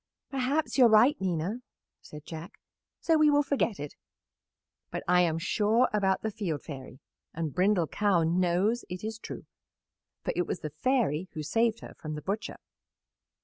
"Perhaps you are right, Nina," said Jack, "so we will forget it, but I am sure about the Field Fairy, and Brindle Cow knows it is true, for it was the Fairy who saved her from the butcher."